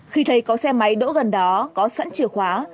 khi thấy có xe máy đỗ gần đó có sẵn chìa khóa